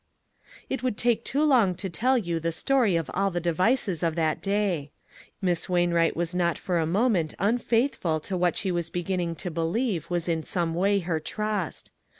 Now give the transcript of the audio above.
It would take too long to tell you the story of all devices of that day. Miss Wainwright was not for a moment unfaith ful to what she was beginning to believe was in some way her trust.